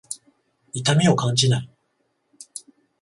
痛みを感じない。